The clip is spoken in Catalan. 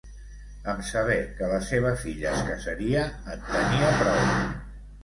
Amb saber que la seva filla es casaria en tenia prou.